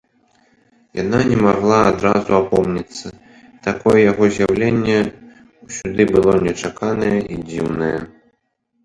Яна не магла адразу апомніцца, такое яго з'яўленне сюды было нечаканае і дзіўнае.